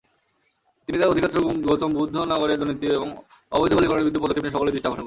তিনি তার অধিক্ষেত্র গৌতম বুধ নগরে দুর্নীতি ও অবৈধ বালি খননের বিরুদ্ধে পদক্ষেপ নিয়ে সকলের দৃষ্টি আকর্ষণ করেছেন।